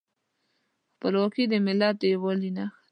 خپلواکي د ملت د یووالي نښه ده.